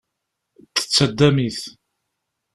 Tettaddam-it.